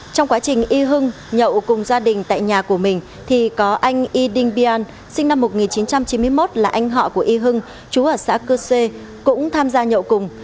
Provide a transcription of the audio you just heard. trong quá trình y hưng nhậu cùng gia đình tại nhà của mình thì có anh y đinh pian sinh năm một nghìn chín trăm chín mươi một là anh họ của y hưng chú ở xã cư xê cũng tham gia nhậu cùng